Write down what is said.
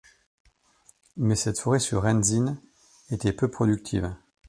Mais cette forêt sur rendzine était peu productive.